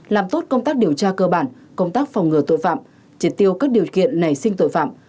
làm tốt công tác điều tra cơ bản công tác phòng ngừa tội phạm triệt tiêu các điều kiện nảy sinh tội phạm